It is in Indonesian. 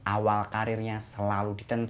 awal karirnya selalu ditentukan